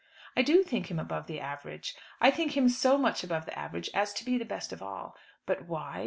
I do think him above the average. I think him so much above the average as to be the best of all. But why?